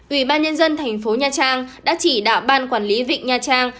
ủy ban nhân dân thành phố nhà trang đã chỉ đạo ban quản lý vịnh nhà trang